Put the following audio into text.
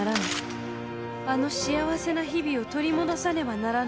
あの幸せな日々を取り戻さねばならぬ。